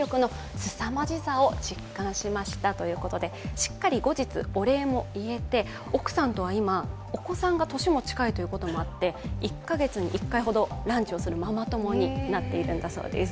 しっかり後日、お礼も言えて奥さんとは今、お子さんが年も近いということもあって１か月に１回ほどランチをするママ友になっているんだそうです。